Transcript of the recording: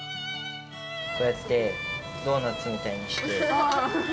こうやってドーナツみたいにして。